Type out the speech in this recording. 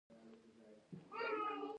د بادغیس د پستې ځنګلونه طبیعي دي.